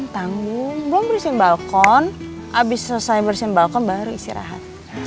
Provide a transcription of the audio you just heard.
tanggung belum bersihin balkon abis selesai bersin balkon baru istirahat